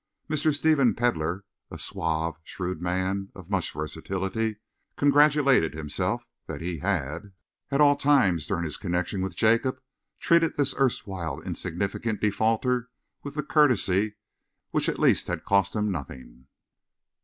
Mr. Stephen Pedlar, a suave, shrewd man of much versatility, congratulated himself that he had, at all times during his connection with Jacob, treated this erstwhile insignificant defaulter with the courtesy which at least had cost him nothing.